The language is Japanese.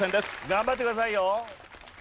頑張ってくださいよ。